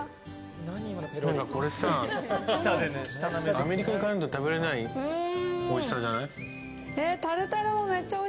アメリカ行かないと食べれないおいしさじゃない？